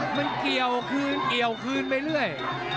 มันเกี่ยวคืนเกี่ยวคืนไปเรื่อย